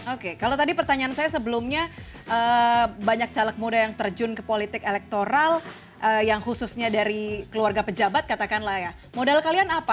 oke kalau tadi pertanyaan saya sebelumnya banyak caleg muda yang terjun ke politik elektoral yang khususnya dari keluarga pejabat katakanlah ya modal kalian apa